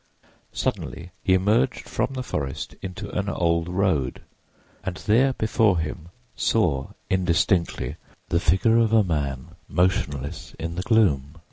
Suddenly he emerged from the forest into an old road, and there before him saw, indistinctly, the figure of a man, motionless in the gloom.